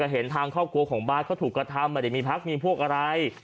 เห็นทางครอบครัวของบ้านเขาถูกกระทำพรีมีพลักษณ์มีพวกอะไร